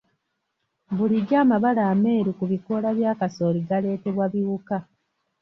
Bulijjo amabala ameeru ku bikoola bya kasooli galeetebwa biwuka.